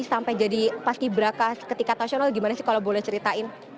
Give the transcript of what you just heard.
sampai jadi paski beraka ketika nasional gimana sih kalau boleh ceritain